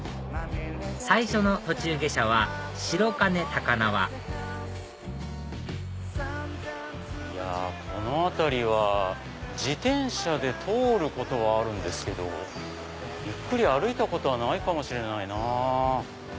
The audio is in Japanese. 最初の途中下車は白金高輪いやこの辺りは自転車で通ることはあるんですけどゆっくり歩いたことはないかもしれないなぁ。